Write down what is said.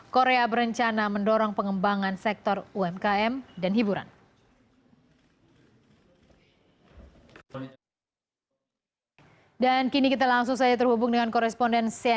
korea berencana mendorong pengembangan sektor umkm dan hiburan